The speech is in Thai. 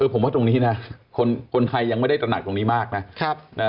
ผมว่าตรงนี้นะคนไทยยังไม่ได้ตระหนักตรงนี้มากนะ